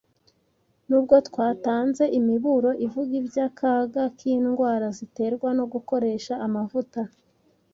Nubwo twatanze imiburo ivuga iby’akaga k’indwara ziterwa no gukoresha amavuta